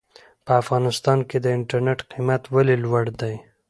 په افغانستان کې د انټرنېټ قيمت ولې لوړ دی ؟